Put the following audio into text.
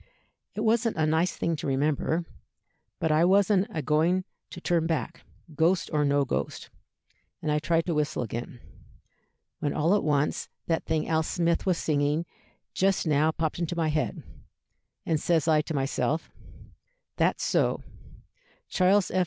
It wasn't a nice thing to remember; but I wasn't agoing to turn back, ghost or no ghost, and I tried to whistle again, when all at once that thing Al Smith was singing just now popped into my head, and says I to myself, 'That's so, Charles F.